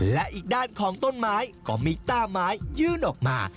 และอีกด้านของต้นไม้ก็มีต้าไม้ยื่นออกมา